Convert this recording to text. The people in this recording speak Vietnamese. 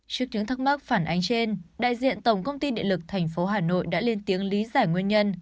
trước những thắc mắc phản ánh trên đại diện tổng công ty điện lực tp hà nội đã lên tiếng lý giải nguyên nhân